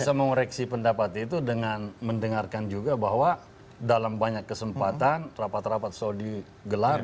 kita bisa mereksi pendapat itu dengan mendengarkan juga bahwa dalam banyak kesempatan rapat rapat selalu digelar